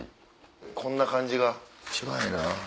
こんな感じが一番ええな。